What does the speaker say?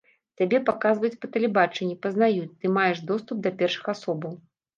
Цябе паказваюць па тэлебачанні, пазнаюць, ты маеш доступ да першых асобаў.